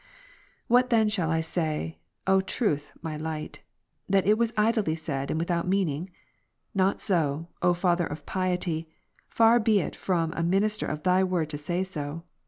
36. What then shall I say, O Truth my Light ?" that it was idly said, and without meaning ?" Not so, O Father of piety, far be it from a minister of Thy word to say so.